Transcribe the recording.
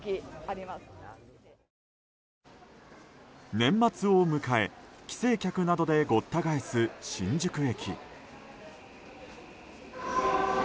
年末を迎え帰省客などでごった返す新宿駅。